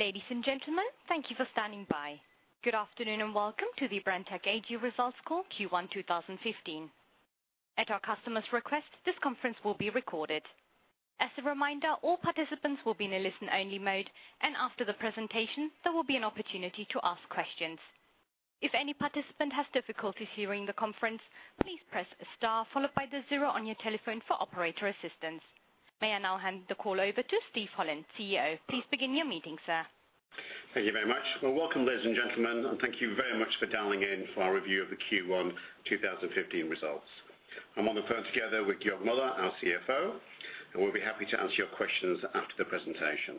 Ladies and gentlemen, thank you for standing by. Good afternoon, and welcome to the Brenntag AG Results Call Q1 2015. At our customer's request, this conference will be recorded. As a reminder, all participants will be in a listen-only mode, and after the presentation, there will be an opportunity to ask questions. If any participant has difficulties hearing the conference, please press star followed by the zero on your telephone for operator assistance. May I now hand the call over to Steven Holland, CEO. Please begin your meeting, sir. Thank you very much. Well, welcome, ladies and gentlemen, and thank you very much for dialing in for our review of the Q1 2015 results. I'm on the phone together with Georg Müller, our CFO, and we'll be happy to answer your questions after the presentation.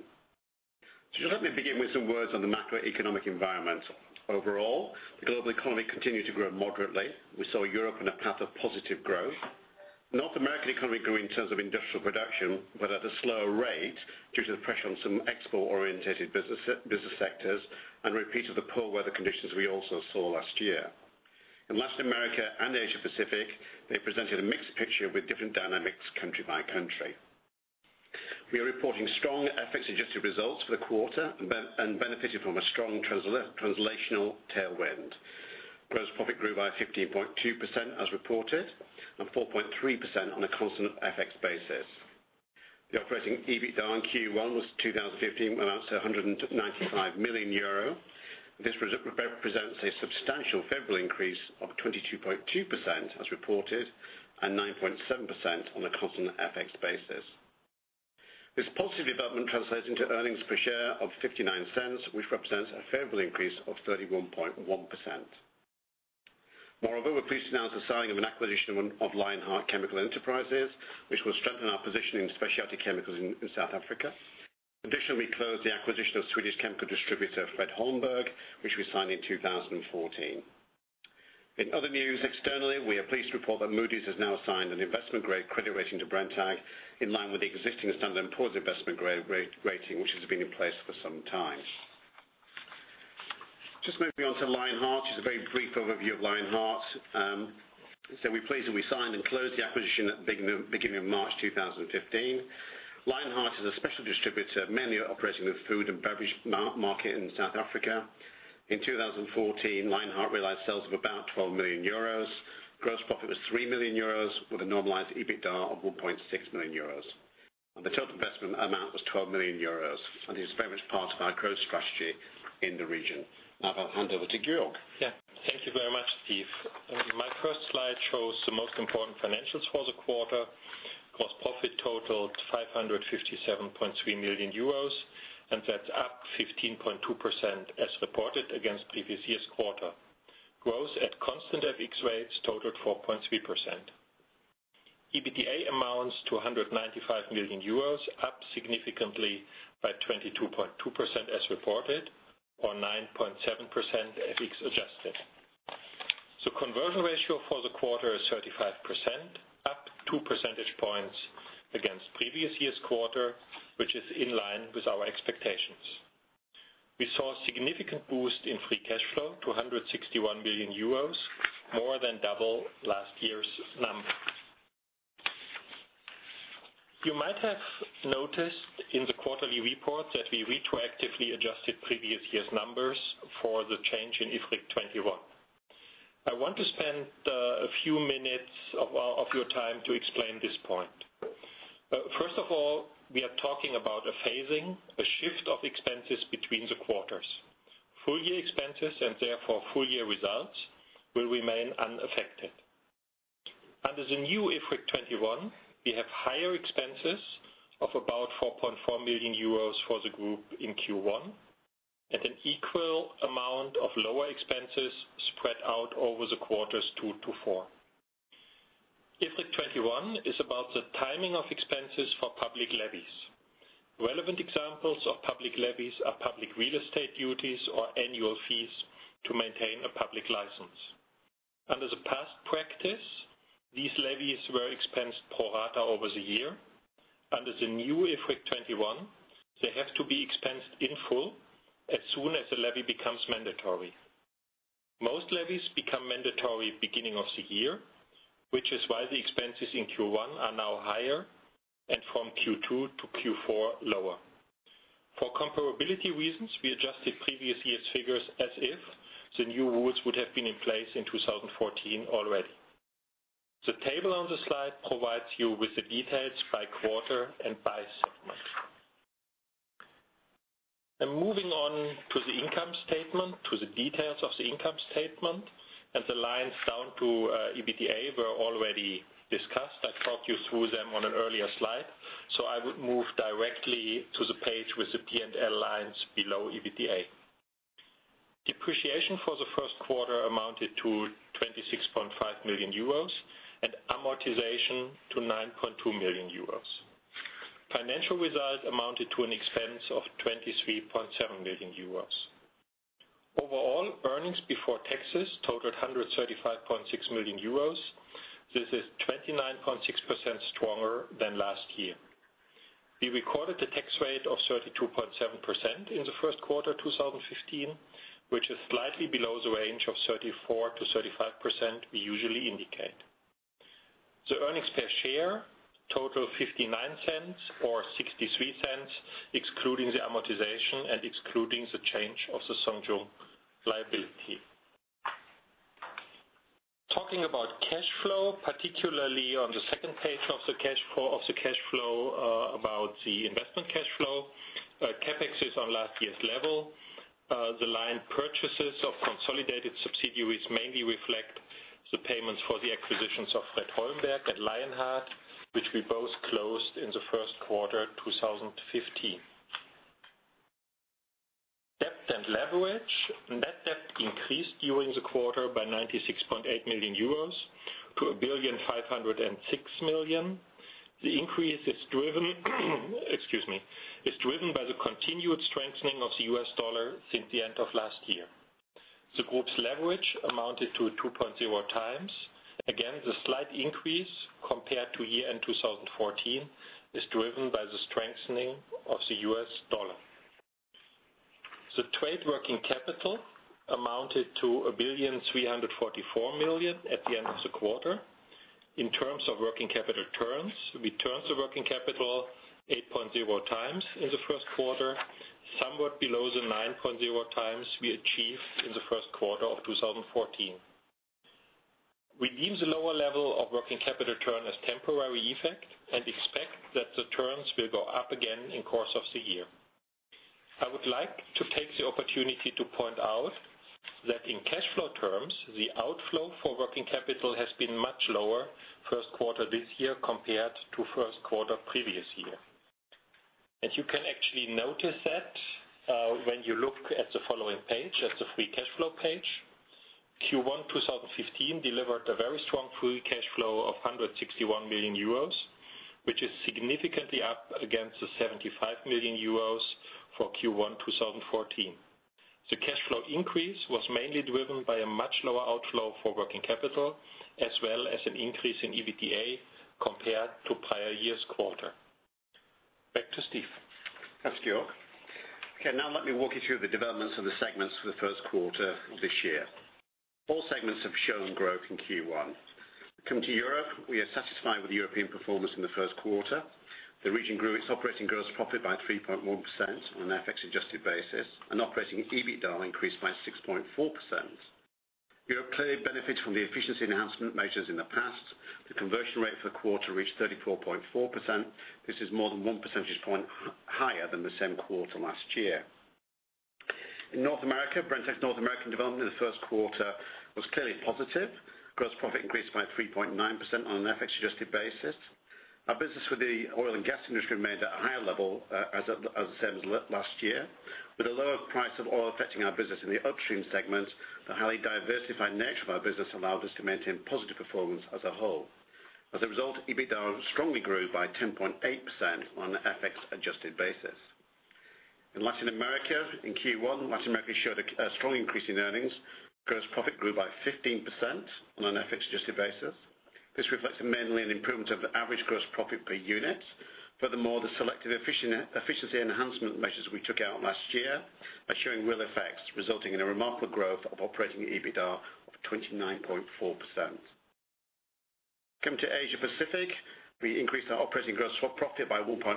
Let me begin with some words on the macroeconomic environment. Overall, the global economy continued to grow moderately. We saw Europe on a path of positive growth. North American economy grew in terms of industrial production, but at a slower rate due to the pressure on some export-oriented business sectors and repeat of the poor weather conditions we also saw last year. In Latin America and Asia Pacific, they presented a mixed picture with different dynamics country by country. We are reporting strong FX-adjusted results for the quarter and benefited from a strong translational tailwind. Gross profit grew by 15.2% as reported, and 4.3% on a constant FX basis. The operating EBITDAR in Q1 2015 amounts to 195 million euro. This represents a substantial favorable increase of 22.2% as reported, and 9.7% on a constant FX basis. This positive development translates into earnings per share of 0.59, which represents a favorable increase of 31.1%. Moreover, we're pleased to announce the signing of an acquisition of Lionheart Chemical Enterprises, which will strengthen our position in specialty chemicals in South Africa. Additionally, we closed the acquisition of Swedish chemical distributor Fred Holmberg, which we signed in 2014. In other news, externally, we are pleased to report that Moody's has now assigned an investment-grade credit rating to Brenntag in line with the existing Standard & Poor's investment-grade rating, which has been in place for some time. Just moving on to Lionheart, just a very brief overview of Lionheart. We're pleased that we signed and closed the acquisition at beginning of March 2015. Lionheart is a special distributor, mainly operating in the food and beverage market in South Africa. In 2014, Lionheart realized sales of about 12 million euros. Gross profit was 3 million euros with a normalized EBITDAR of 1.6 million euros. The total investment amount was 12 million euros and is very much part of our growth strategy in the region. Now I'll hand over to Georg. Thank you very much, Steve. My first slide shows the most important financials for the quarter. Gross profit totaled 557.3 million euros, and that's up 15.2% as reported against previous year's quarter. Growth at constant FX rates totaled 4.3%. EBITDA amounts to 195 million euros, up significantly by 22.2% as reported, or 9.7% FX adjusted. Conversion ratio for the quarter is 35%, up two percentage points against previous year's quarter, which is in line with our expectations. We saw a significant boost in free cash flow to 161 million euros, more than double last year's number. You might have noticed in the quarterly report that we retroactively adjusted previous year's numbers for the change in IFRIC 21. I want to spend a few minutes of your time to explain this point. First of all, we are talking about a phasing, a shift of expenses between the quarters. Full year expenses and therefore full year results will remain unaffected. Under the new IFRIC 21, we have higher expenses of about 4.4 million euros for the group in Q1 and an equal amount of lower expenses spread out over the quarters two to four. IFRIC 21 is about the timing of expenses for public levies. Relevant examples of public levies are public real estate duties or annual fees to maintain a public license. Under the past practice, these levies were expensed pro rata over the year. Under the new IFRIC 21, they have to be expensed in full as soon as the levy becomes mandatory. Most levies become mandatory beginning of the year, which is why the expenses in Q1 are now higher, and from Q2 to Q4 lower. For comparability reasons, we adjusted previous year's figures as if the new rules would have been in place in 2014 already. The table on the slide provides you with the details by quarter and by segment. Moving on to the income statement, to the details of the income statement, and the lines down to EBITDA were already discussed. I talked you through them on an earlier slide. I would move directly to the page with the P&L lines below EBITDA. Depreciation for the first quarter amounted to 26.5 million euros and amortization to 9.2 million euros. Financial results amounted to an expense of 23.7 million euros. Overall, earnings before taxes totaled 135.6 million euros. This is 29.6% stronger than last year. We recorded a tax rate of 32.7% in the first quarter 2015, which is slightly below the range of 34%-35% we usually indicate. The earnings per share total 0.59 or 0.63, excluding the amortization and excluding the change of the Songjung liability. Talking about cash flow, particularly on the second page of the cash flow about the investment cash flow. CapEx is on last year's level. The line purchases of consolidated subsidiaries mainly reflect the payments for the acquisitions of Fred Holmberg and Lionheart, which we both closed in the first quarter 2015. Debt and leverage. Net debt increased during the quarter by 96.8 million euros to 1,506 million. The increase is driven, is driven by the continued strengthening of the US dollar since the end of last year. The group's leverage amounted to 2.0 times. Again, the slight increase compared to year-end 2014 is driven by the strengthening of the US dollar. The trade working capital amounted to 1,344 million at the end of the quarter. In terms of working capital turns, we turned the working capital 8.0 times in the first quarter, somewhat below the 9.0 times we achieved in the first quarter of 2014. We deem the lower level of working capital turn as temporary effect, and expect that the turns will go up again in course of the year. I would like to take the opportunity to point out that in cash flow terms, the outflow for working capital has been much lower first quarter this year compared to first quarter previous year. You can actually notice that, when you look at the following page, at the free cash flow page. Q1 2015 delivered a very strong free cash flow of €161 million, which is significantly up against the €75 million for Q1 2014. The cash flow increase was mainly driven by a much lower outflow for working capital, as well as an increase in EBITDA compared to prior year's quarter. Back to Steve. Thanks, Georg. Okay, now let me walk you through the developments of the segments for the first quarter this year. All segments have shown growth in Q1. Coming to Europe, we are satisfied with the European performance in the first quarter. The region grew its operating gross profit by 3.1% on an FX adjusted basis, and operating EBITDA increased by 6.4%. Europe clearly benefits from the efficiency enhancement measures in the past. The conversion rate for the quarter reached 34.4%. This is more than one percentage point higher than the same quarter last year. In North America, Brenntag's North American development in the first quarter was clearly positive. Gross profit increased by 3.9% on an FX adjusted basis. Our business with the oil and gas industry remained at a higher level as the same as last year. With the lower price of oil affecting our business in the upstream segment, the highly diversified nature of our business allows us to maintain positive performance as a whole. As a result, EBITDA strongly grew by 10.8% on an FX adjusted basis. In Latin America, in Q1, Latin America showed a strong increase in earnings. Gross profit grew by 15% on an FX adjusted basis. This reflects mainly an improvement of the average gross profit per unit. Furthermore, the selective efficiency enhancement measures we took out last year are showing real effects, resulting in a remarkable growth of operating EBITDA of 29.4%. Coming to Asia Pacific, we increased our operating gross profit by 1.8%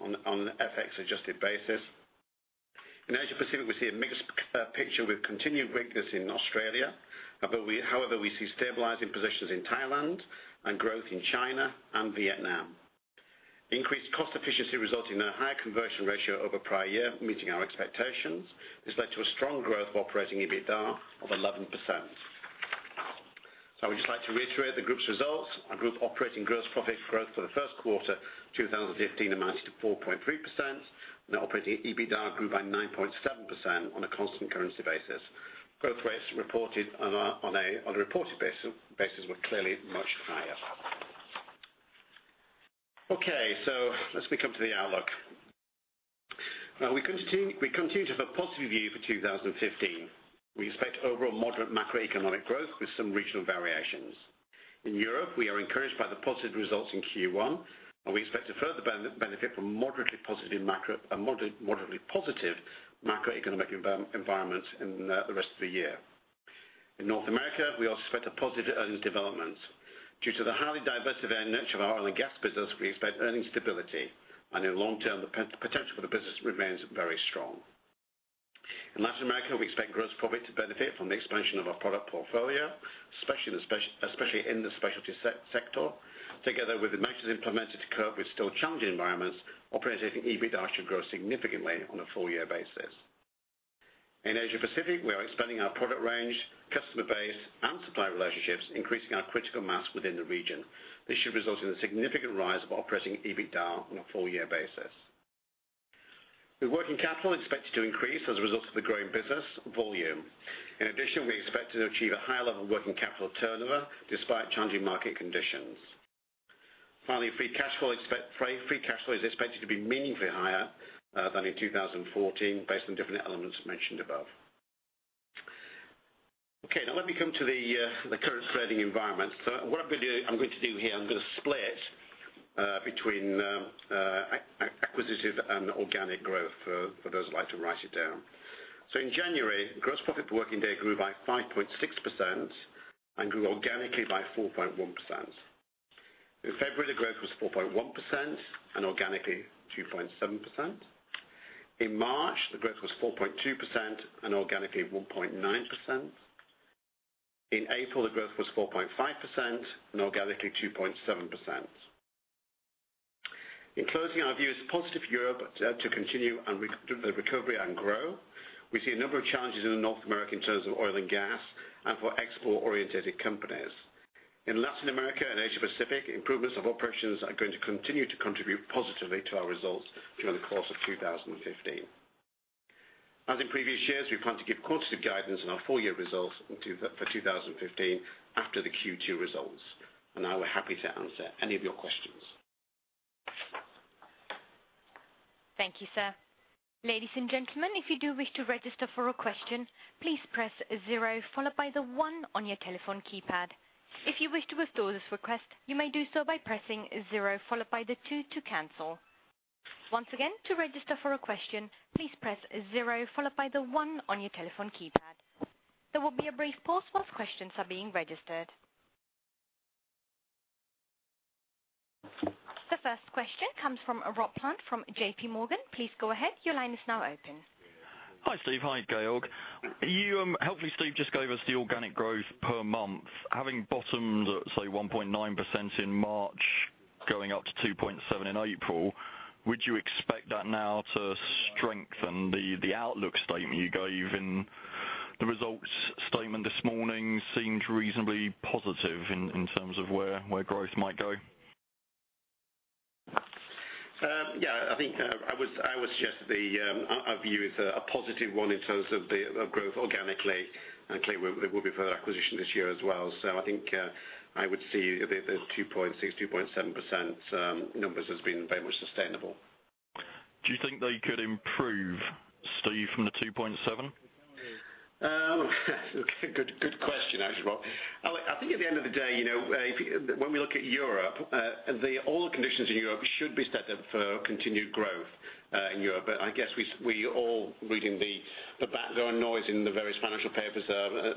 on an FX adjusted basis. In Asia Pacific, we see a mixed picture with continued weakness in Australia. However, we see stabilizing positions in Thailand and growth in China and Vietnam. Increased cost efficiency resulting in a higher conversion ratio over prior year, meeting our expectations. This led to a strong growth of operating EBITDA of 11%. I would just like to reiterate the group's results. Our group operating gross profit growth for the first quarter 2015 amounted to 4.3%, and our operating EBITDA grew by 9.7% on a constant currency basis. Growth rates reported on a reported basis were clearly much higher. Let me come to the outlook. We continue to have a positive view for 2015. We expect overall moderate macroeconomic growth with some regional variations. In Europe, we are encouraged by the positive results in Q1, and we expect to further benefit from moderately positive macro, a moderately positive macroeconomic environment in the rest of the year. In North America, we also expect a positive earnings development. Due to the highly diversified nature of our oil and gas business, we expect earnings stability, and in the long term, the potential for the business remains very strong. In Latin America, we expect gross profit to benefit from the expansion of our product portfolio, especially in the specialty sector. Together with the measures implemented to cope with still challenging environments, operating EBITDA should grow significantly on a full year basis. In Asia-Pacific, we are expanding our product range, customer base, and supplier relationships, increasing our critical mass within the region. This should result in a significant rise of operating EBITDA on a full year basis. The working capital is expected to increase as a result of the growing business volume. In addition, we expect to achieve a higher level of working capital turnover despite challenging market conditions. Finally, free cash flow is expected to be meaningfully higher than in 2014 based on different elements mentioned above. Let me come to the current trading environment. What I'm going to do here, I'm going to split between acquisitive and organic growth for those who like to write it down. In January, gross profit per working day grew by 5.6% and grew organically by 4.1%. In February, the growth was 4.1% and organically 2.7%. In March, the growth was 4.2% and organically 1.9%. In April, the growth was 4.5% and organically 2.7%. In closing, our view is positive for Europe to continue the recovery and grow. We see a number of challenges in North America in terms of oil and gas and for export-oriented companies. In Latin America and Asia-Pacific, improvements of operations are going to continue to contribute positively to our results during the course of 2015. As in previous years, we plan to give quantitative guidance on our full year results for 2015 after the Q2 results. Now we're happy to answer any of your questions. Thank you, sir. Ladies and gentlemen, if you do wish to register for a question, please press zero followed by the one on your telephone keypad. If you wish to withdraw this request, you may do so by pressing zero followed by the two to cancel. Once again, to register for a question, please press zero followed by the one on your telephone keypad. There will be a brief pause whilst questions are being registered. The first question comes from Rob Plant from JPMorgan. Please go ahead. Your line is now open. Hi, Steve. Hi, Georg. Help me, Steve, just give us the organic growth per month. Having bottomed at, say, 1.9% in March, going up to 2.7% in April, would you expect that now to strengthen the outlook statement you gave in the results statement this morning seemed reasonably positive in terms of where growth might go. Yeah, I think I would suggest our view is a positive one in terms of growth organically. Clearly, there will be further acquisition this year as well. So I think I would see the 2.6%, 2.7% numbers as being very much sustainable. Do you think they could improve, Steve, from the 2.7%? Good question, actually, Rob. I think at the end of the day, when we look at Europe, all the conditions in Europe should be set then for continued growth, in Europe. I guess we all reading the background noise in the various financial papers,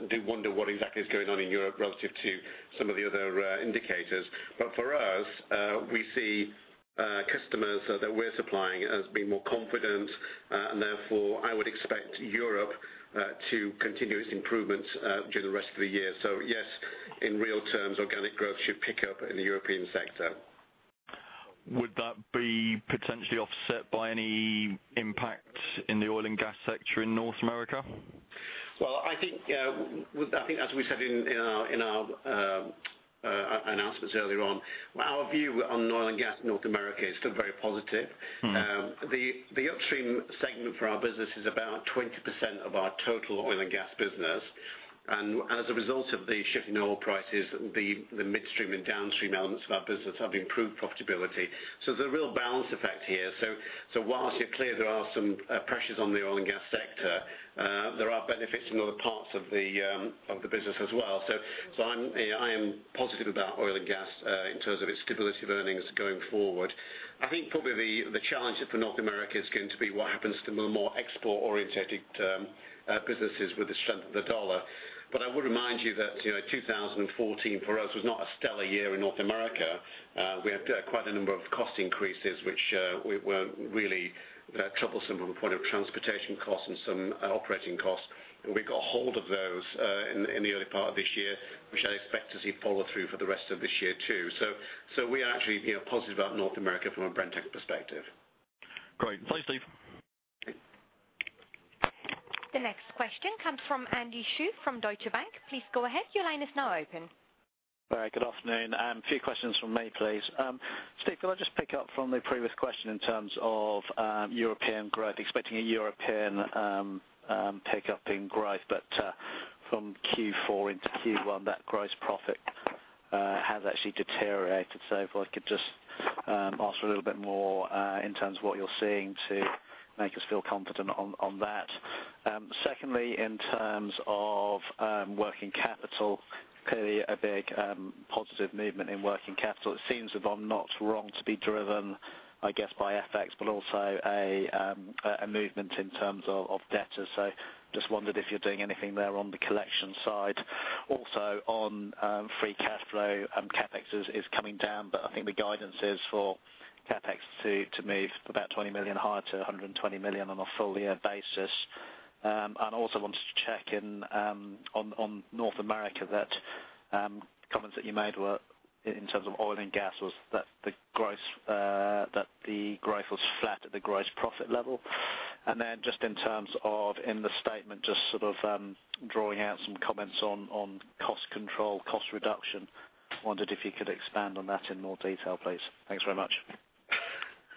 do wonder what exactly is going on in Europe relative to some of the other indicators. For us, we see customers that we're supplying as being more confident, and therefore, I would expect Europe to continue its improvements during the rest of the year. Yes, in real terms, organic growth should pick up in the European sector. Would that be potentially offset by any impact in the oil and gas sector in North America? Well, I think as we said in our announcements earlier on, our view on oil and gas in North America is still very positive. The upstream segment for our business is about 20% of our total oil and gas business. As a result of the shift in oil prices, the midstream and downstream elements of our business have improved profitability. There's a real balance effect here. Whilst it's clear there are some pressures on the oil and gas sector, there are benefits in other parts of the business as well. I am positive about oil and gas, in terms of its stability of earnings going forward. I think probably the challenge for North America is going to be what happens to the more export oriented businesses with the strength of the U.S. dollar. I would remind you that 2014, for us, was not a stellar year in North America. We had quite a number of cost increases, which were really troublesome from the point of transportation costs and some operating costs. We got a hold of those in the early part of this year, which I expect to see follow through for the rest of this year, too. We are actually positive about North America from a Brenntag perspective. Great. Thanks, Steve. The next question comes from [Andy Shu] from Deutsche Bank. Please go ahead. Your line is now open. Good afternoon. A few questions from me, please. Steve, could I just pick up from the previous question in terms of European growth, expecting a European pick-up in growth. From Q4 into Q1, that gross profit has actually deteriorated. If I could just ask a little bit more, in terms of what you're seeing to make us feel confident on that. Secondly, in terms of working capital, clearly a big positive movement in working capital. It seems, if I'm not wrong, to be driven, I guess, by FX, but also a movement in terms of debtors. Just wondered if you're doing anything there on the collection side. Also, on free cash flow, CapEx is coming down, but I think the guidance is for CapEx to move about 20 million higher to 120 million on a full year basis. Also wanted to check in on North America, that comments that you made were in terms of oil and gas, was that the growth was flat at the gross profit level. Just in terms of in the statement, just sort of drawing out some comments on cost control, cost reduction. Wondered if you could expand on that in more detail, please. Thanks very much.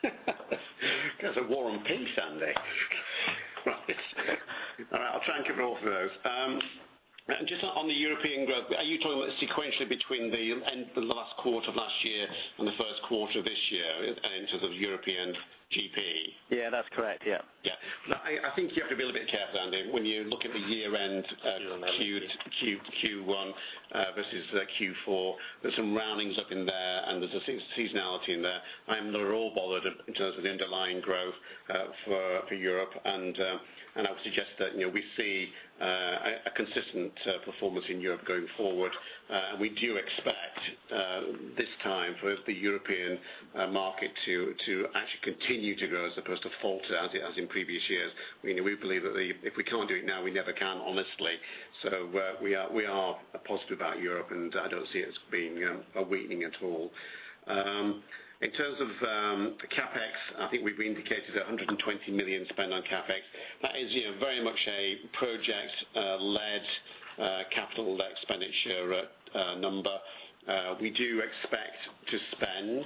That's a war and peace, Andy. Christ. All right, I'll try and cover all of those. Just on the European growth, are you talking about sequentially between the end of the last quarter of last year and the first quarter of this year in terms of European GP? Yeah, that's correct. Yeah. I think you have to be a little bit careful, Andy, when you look at the year-end Q1 versus Q4. There's some roundings up in there, and there's a seasonality in there. I'm not at all bothered in terms of the underlying growth for Europe. I would suggest that we see a consistent performance in Europe going forward. We do expect this time for the European market to actually continue to grow as opposed to falter as in previous years. We believe that if we can't do it now, we never can, honestly. We are positive about Europe, and I don't see it as being a weakening at all. In terms of the CapEx, I think we've indicated 120 million spend on CapEx. That is very much a project-led capital expenditure number. We do expect to spend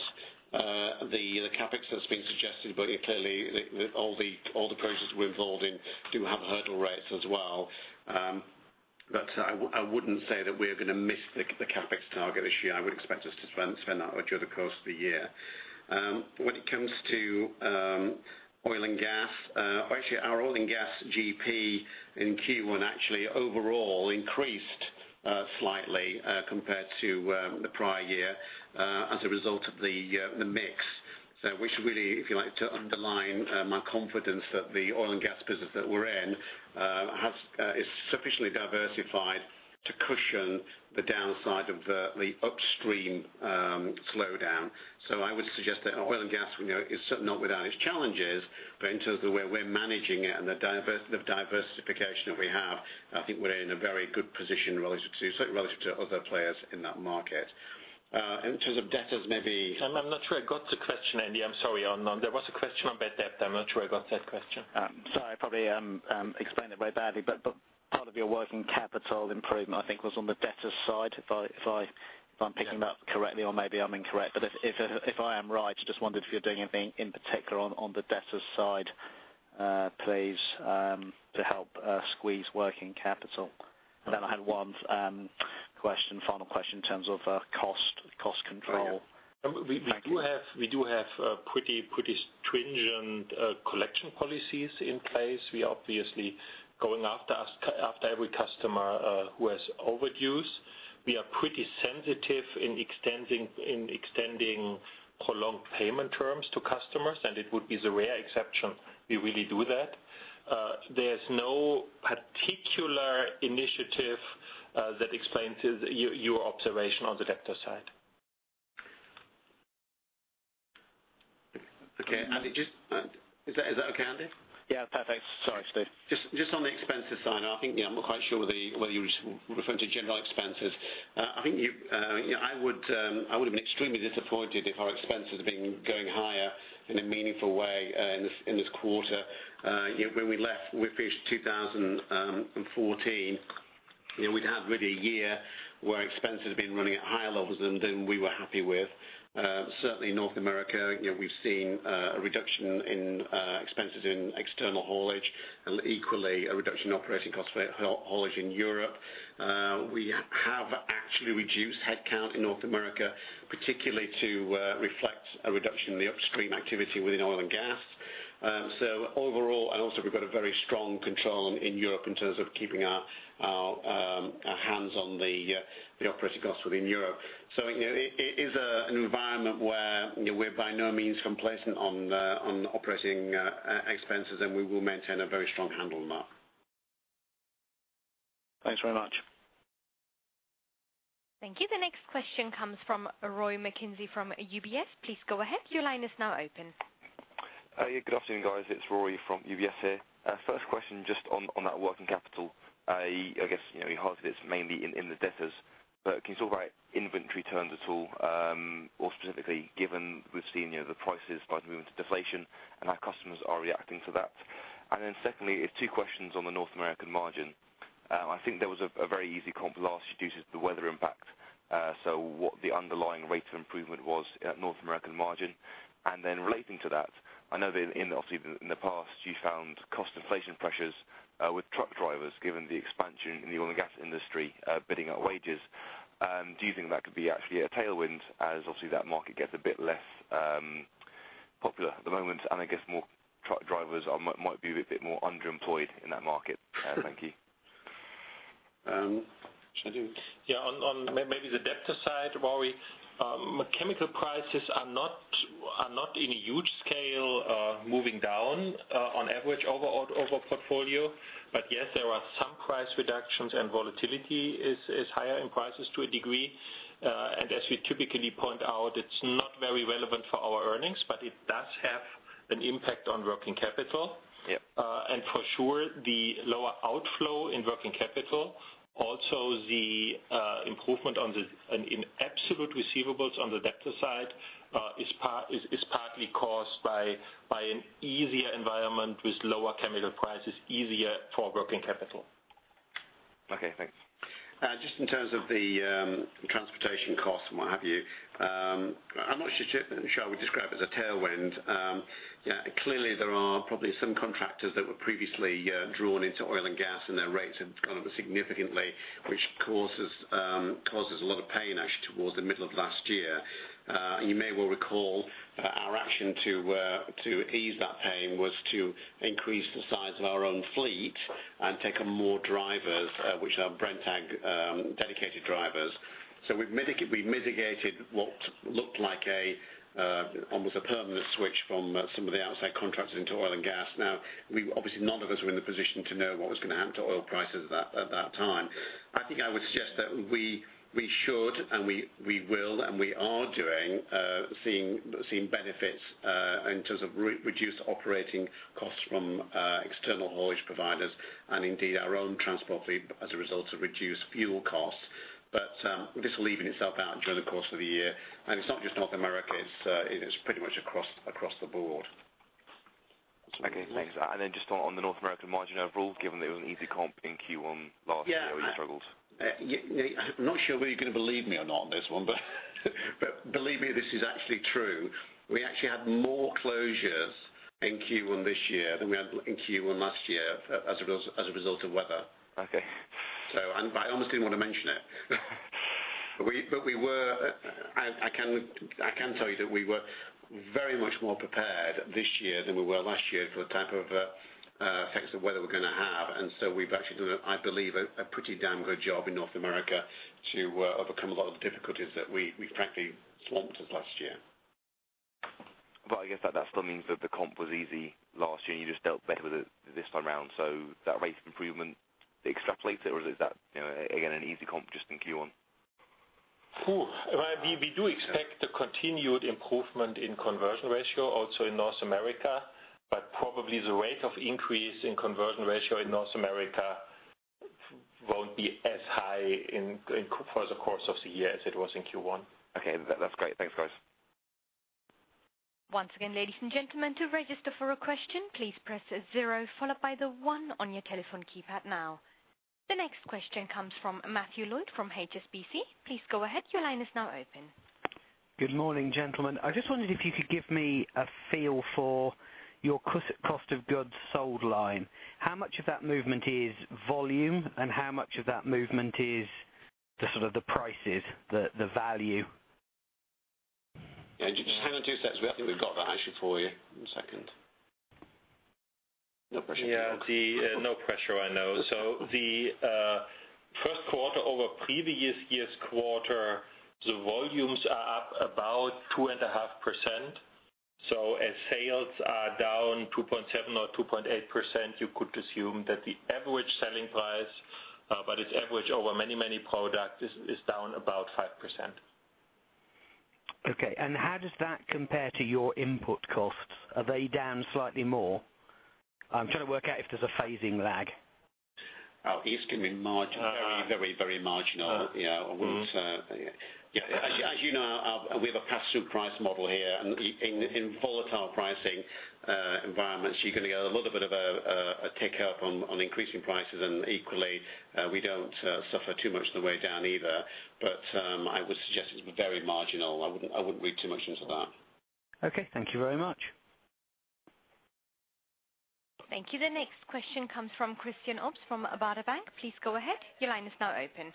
the CapEx that's been suggested. Clearly, all the projects we're involved in do have hurdle rates as well. I wouldn't say that we're going to miss the CapEx target this year. I would expect us to spend that over the course of the year. When it comes to oil and gas, actually our oil and gas GP in Q1 actually overall increased slightly compared to the prior year as a result of the mix. Which really, if you like, to underline my confidence that the oil and gas business that we're in is sufficiently diversified to cushion the downside of the upstream slowdown. I would suggest that oil and gas is certainly not without its challenges, but in terms of the way we're managing it and the diversification that we have, I think we're in a very good position relative to certain other players in that market. In terms of debtors maybe. I'm not sure I got the question, Andy. I'm sorry. There was a question on bad debt. I'm not sure I got that question. Sorry. I probably explained it very badly. Part of your working capital improvement, I think, was on the debtors side, if I'm picking that up correctly, or maybe I'm incorrect. If I am right, just wondered if you're doing anything in particular on the debtors side, please, to help squeeze working capital. I had one final question in terms of cost control. We do have pretty stringent collection policies in place. We are obviously going after every customer who has overdues. We are pretty sensitive in extending prolonged payment terms to customers. It would be the rare exception we really do that. There's no particular initiative that explains your observation on the debtor side. Okay. Is that okay, Andy? Yeah, perfect. Sorry, Steve. Just on the expenses side, I think I'm not quite sure whether you were referring to general expenses. I would have been extremely disappointed if our expenses have been going higher in a meaningful way in this quarter. When we finished 2014, we'd had really a year where expenses had been running at higher levels than we were happy with. Certainly in North America, we've seen a reduction in expenses in external haulage and equally a reduction in operating costs for haulage in Europe. We have actually reduced headcount in North America, particularly to reflect a reduction in the upstream activity within oil and gas. We've got a very strong control in Europe in terms of keeping our hands on the operating costs within Europe. It is an environment where we're by no means complacent on the operating expenses, and we will maintain a very strong handle on that. Thanks very much. Thank you. The next question comes from Rory McKenzie from UBS. Please go ahead. Your line is now open. Yeah, good afternoon, guys. It's Rory from UBS here. First question just on that working capital. I guess you hinted it's mainly in the debtors, but can you talk about inventory terms at all, or specifically given we've seen the prices start to move into deflation and our customers are reacting to that? Then secondly, it's two questions on the North American margin. I think there was a very easy comp last due to the weather impact. What the underlying rate of improvement was at North American margin. Then relating to that, I know that obviously in the past you found cost inflation pressures with truck drivers, given the expansion in the oil and gas industry bidding up wages. Do you think that could be actually a tailwind as obviously that market gets a bit less popular at the moment and I guess more truck drivers might be a bit more underemployed in that market? Thank you. Should I do it? Yeah. On maybe the debtor side, Rory, chemical prices are not in a huge scale moving down on average over portfolio. Yes, there are some price reductions and volatility is higher in prices to a degree. As you typically point out, it's not very relevant for our earnings, but it does have an impact on working capital. Yeah. For sure, the lower outflow in working capital, also the improvement in absolute receivables on the debtor side is partly caused by an easier environment with lower chemical prices, easier for working capital. Okay, thanks. In terms of the transportation costs and what have you, I'm not sure Charles would describe as a tailwind. Clearly there are probably some contractors that were previously drawn into oil and gas and their rates have gone up significantly, which causes a lot of pain actually towards the middle of last year. You may well recall our action to ease that pain was to increase the size of our own fleet and take on more drivers, which are Brenntag dedicated drivers. We've mitigated what looked like almost a permanent switch from some of the outside contractors into oil and gas. Obviously, none of us were in the position to know what was going to happen to oil prices at that time. I think I would suggest that we should, and we will, and we are doing, seeing benefits in terms of reduced operating costs from external haulage providers, and indeed our own transport fleet as a result of reduced fuel costs. This will even itself out during the course of the year. It's not just North America, it is pretty much across the board. Okay, thanks. Just on the North American margin overall, given that it was an easy comp in Q1 last year where you struggled. Yeah. I'm not sure whether you're going to believe me or not on this one, but believe me, this is actually true. We actually had more closures in Q1 this year than we had in Q1 last year as a result of weather. Okay. I almost didn't want to mention it. I can tell you that we were very much more prepared this year than we were last year for the type of effects of weather we're going to have. We've actually done, I believe, a pretty damn good job in North America to overcome a lot of the difficulties that we frankly slumped at last year. I guess that still means that the comp was easy last year, and you just dealt better with it this time around. That rate of improvement, extrapolate it, or is that, again, an easy comp just in Q1? We do expect a continued improvement in conversion ratio also in North America, but probably the rate of increase in conversion ratio in North America won't be as high for the course of the year as it was in Q1. That's great. Thanks, guys. Once again, ladies and gentlemen, to register for a question, please press zero followed by the one on your telephone keypad now. The next question comes from Matthew Lloyd from HSBC. Please go ahead. Your line is now open. Good morning, gentlemen. I just wondered if you could give me a feel for your cost of goods sold line. How much of that movement is volume, and how much of that movement is the prices, the value? Yeah. Just hang on two seconds. I think we've got that actually for you. One second. No pressure. Yeah. No pressure, I know. The first quarter over previous year's quarter, the volumes are up about 2.5%. As sales are down 2.7% or 2.8%, you could assume that the average selling price, but it's average over many, many products, is down about 5%. How does that compare to your input costs? Are they down slightly more? I'm trying to work out if there's a phasing lag. Oh, it's going to be marginal. Very, very marginal. As you know, we have a pass-through price model here. In volatile pricing environments, you're going to get a little bit of a take-up on increasing prices and equally, we don't suffer too much on the way down either. I would suggest it's very marginal. I wouldn't read too much into that. Okay. Thank you very much. Thank you. The next question comes from Christian Obst from Baader Bank. Please go ahead. Your line is now open.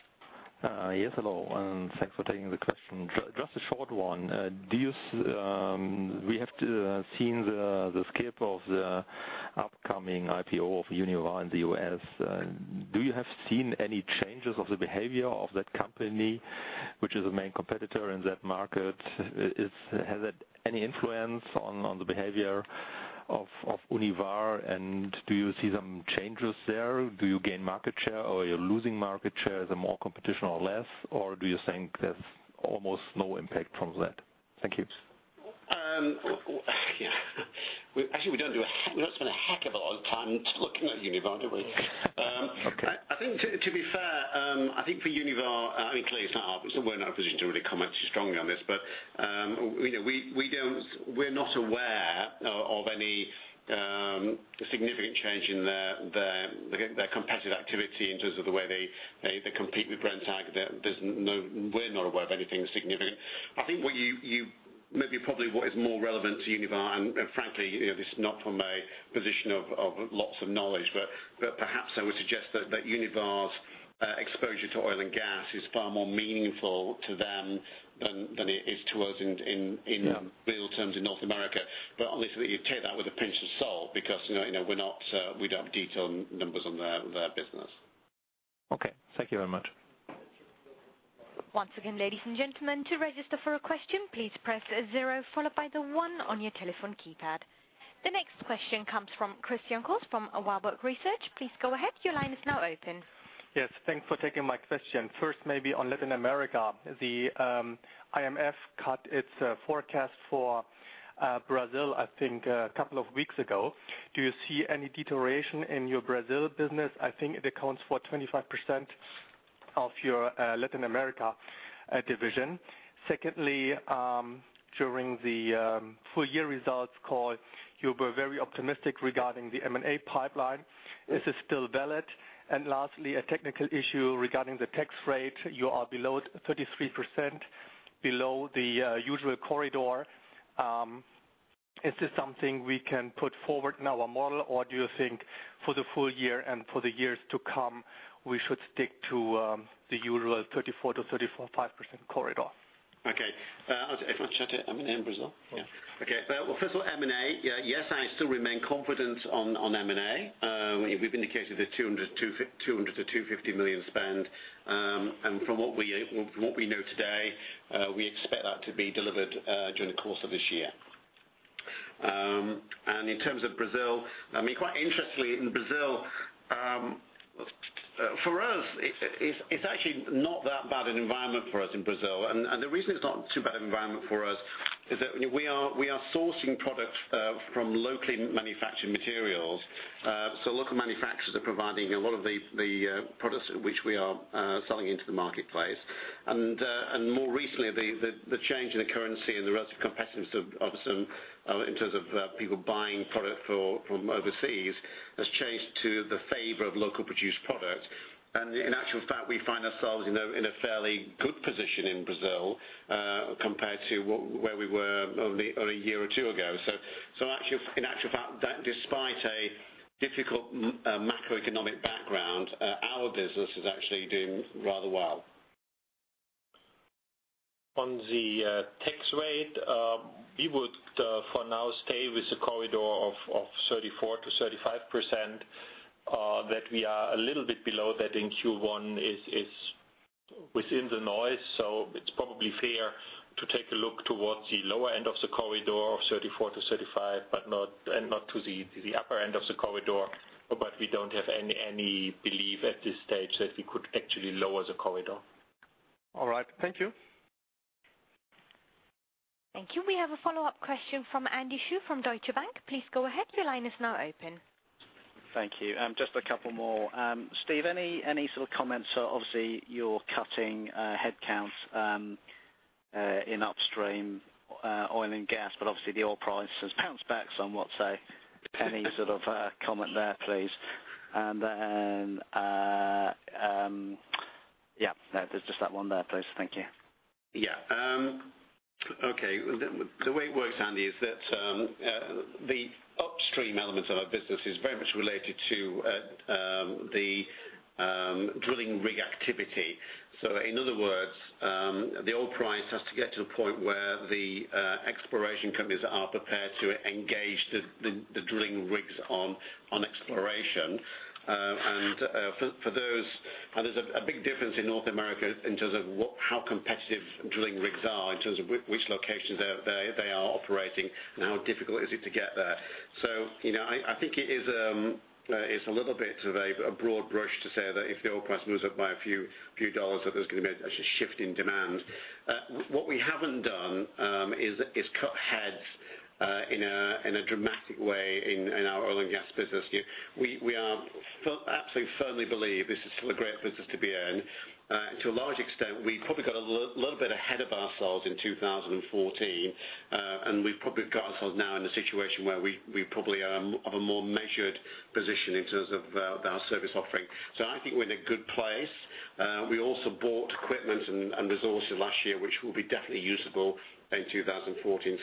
Hello, and thanks for taking the question. Just a short one. We have seen the scope of the upcoming IPO of Univar in the U.S. Do you have seen any changes of the behavior of that company, which is a main competitor in that market? Has it any influence on the behavior of Univar, and do you see some changes there? Do you gain market share or you're losing market share? Is there more competition or less? Do you think there's almost no impact from that? Thank you. Actually, we don't spend a heck of a lot of time looking at Univar, do we? Okay. I think, to be fair, I think for Univar, clearly we're not in a position to really comment too strongly on this, but we're not aware of any significant change in their competitive activity in terms of the way they compete with Brenntag. We're not aware of anything significant. I think maybe probably what is more relevant to Univar, and frankly, this is not from a position of lots of knowledge, but perhaps I would suggest that Univar's exposure to oil and gas is far more meaningful to them than it is to us in real terms in North America. Obviously, you take that with a pinch of salt because we don't have detailed numbers on their business. Okay. Thank you very much. Once again, ladies and gentlemen, to register for a question, please press zero followed by the one on your telephone keypad. The next question comes from Christian Cohrs from Warburg Research. Please go ahead. Your line is now open. Yes. Thanks for taking my question. First, maybe on Latin America, the IMF cut its forecast for Brazil, I think, a couple of weeks ago. Do you see any deterioration in your Brazil business? I think it accounts for 25% of your Latin America division. Secondly, during the full year results call, you were very optimistic regarding the M&A pipeline. Is this still valid? Lastly, a technical issue regarding the tax rate. You are below 33%, below the usual corridor. Is this something we can put forward in our model, or do you think for the full year and for the years to come, we should stick to the usual 34%-35% corridor? Okay. If I chat to M&A and Brazil? Yeah. Okay. Well, first of all, M&A. Yes, I still remain confident on M&A. We've indicated a 200 million-250 million spend. From what we know today, we expect that to be delivered during the course of this year. In terms of Brazil, quite interestingly in Brazil, for us, it's actually not that bad an environment for us in Brazil. The reason it's not too bad an environment for us is that we are sourcing product from locally manufactured materials. Local manufacturers are providing a lot of the products which we are selling into the marketplace. More recently, the change in the currency and the relative competitiveness of some, in terms of people buying product from overseas, has changed to the favor of local produced product. In actual fact, we find ourselves in a fairly good position in Brazil, compared to where we were only a year or two ago. In actual fact, despite a difficult macroeconomic background, our business is actually doing rather well. On the tax rate, we would for now stay with the corridor of 34% to 35%. That we are a little bit below that in Q1 is within the noise. It's probably fair to take a look towards the lower end of the corridor of 34%-35%, and not to the upper end of the corridor. We don't have any belief at this stage that we could actually lower the corridor. All right. Thank you. Thank you. We have a follow-up question from Andy Shu from Deutsche Bank. Please go ahead. Your line is now open. Thank you. Just a couple more. Steve, any sort of comments? Obviously you're cutting headcount in upstream oil and gas, obviously the oil price has bounced back somewhat. Any sort of comment there, please? Yeah, there's just that one there, please. Thank you. Yeah. Okay. The way it works, Andy, is that the upstream elements of our business is very much related to the drilling rig activity. In other words, the oil price has to get to the point where the exploration companies are prepared to engage the drilling rigs on exploration. There's a big difference in North America in terms of how competitive drilling rigs are, in terms of which locations they are operating and how difficult is it to get there. I think it's a little bit of a broad brush to say that if the oil price moves up by a few dollars, that there's going to be a shift in demand. What we haven't done is cut heads in a dramatic way in our oil and gas business. We absolutely firmly believe this is still a great business to be in. To a large extent, we probably got a little bit ahead of ourselves in 2014, and we've probably got ourselves now in a situation where we probably are of a more measured position in terms of our service offering. I think we're in a good place. We also bought equipment and resources last year, which will be definitely usable in 2015.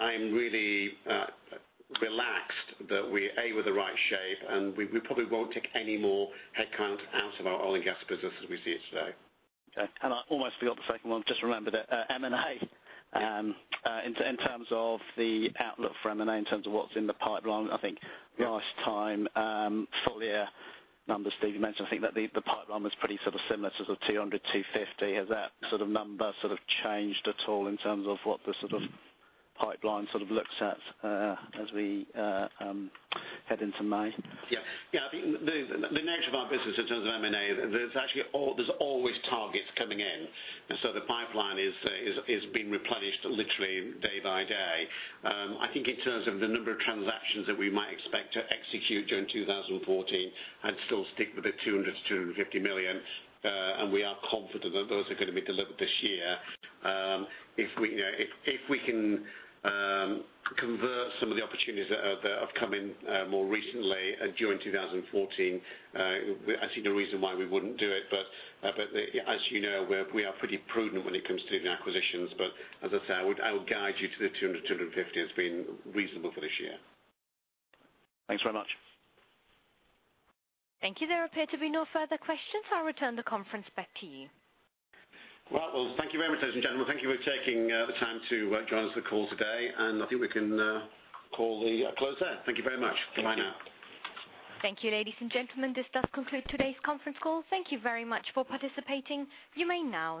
I'm really relaxed that we, A, were the right shape, and we probably won't take any more headcount out of our oil and gas business as we see it today. Okay. I almost forgot the second one. Just remembered it. M&A. In terms of the outlook for M&A, in terms of what's in the pipeline, I think last time, full-year numbers, Steve, you mentioned, I think that the pipeline was pretty similar to the 200, 250. Has that number changed at all in terms of what the pipeline looks at as we head into May? Yeah. I think the nature of our business in terms of M&A, there's always targets coming in. The pipeline is being replenished literally day by day. I think in terms of the number of transactions that we might expect to execute during 2014, I'd still stick with the 200 million-250 million. We are confident that those are going to be delivered this year. If we can convert some of the opportunities that have come in more recently during 2014, I see no reason why we wouldn't do it. As you know, we are pretty prudent when it comes to doing acquisitions. As I say, I would guide you to the 200, 250 as being reasonable for this year. Thanks very much. Thank you. There appear to be no further questions. I'll return the conference back to you. Right. Well, thank you very much, ladies and gentlemen. Thank you for taking the time to join us for the call today, and I think we can call the close there. Thank you very much. Bye now. Thank you, ladies and gentlemen. This does conclude today's conference call. Thank you very much for participating. You may now disconnect.